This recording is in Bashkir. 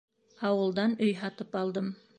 Ауылдан өй һатып алдым.